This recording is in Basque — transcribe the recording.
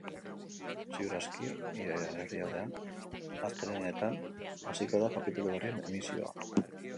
Ziur aski, irailaren erdialdean, astelehenenetan, hasiko da kapitulu berrien emisioa.